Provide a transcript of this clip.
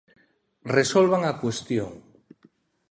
Resolvan a cuestión.